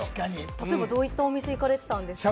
例えばどういったお店に行っていたんですか？